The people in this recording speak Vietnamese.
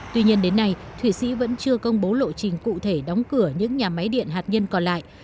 tuy nhiên đến nay thụy sĩ vẫn chưa công bố lộ trình cụ thể đóng cửa những nhà máy điện hạt nhân còn lại